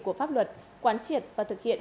của pháp luật quán triệt và thực hiện